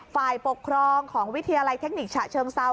ฝ่ายปกครองของวิทยาลัยเทคนิคฉะเชิงเซา